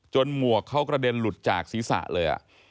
หมวกเขากระเด็นหลุดจากศีรษะเลย